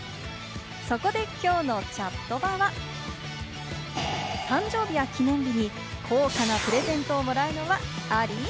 そこできょうのチャットバは誕生日や記念日に高価なプレゼントをもらうのはあり？